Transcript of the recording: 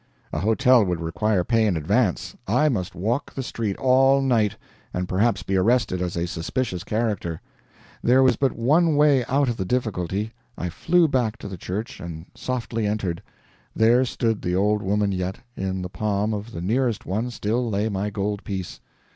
A hotel would require pay in advance I must walk the street all night, and perhaps be arrested as a suspicious character. There was but one way out of the difficulty I flew back to the church, and softly entered. There stood the old woman yet, and in the palm of the nearest one still lay my gold piece.